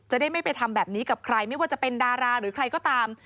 จะได้ไม่ไปทำแบบนี้กับใครไม่ว่าจะเป็นดาราหรือใครก็ตาม